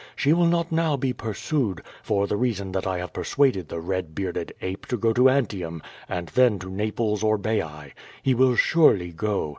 She vnW not now be pursued, for the reason that I have persuaded the Red bearded ape to go to Antium, and then to Naples or Baiae. He will surely go.